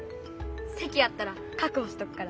せきあったらかくほしとくから！